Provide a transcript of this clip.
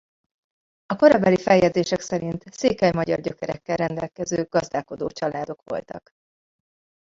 A korabeli feljegyzések szerint székely-magyar gyökerekkel rendelkező gazdálkodó családok voltak.